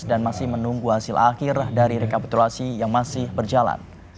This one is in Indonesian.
dan masih menunggu hasil akhir dari rekapitulasi yang masih berjalan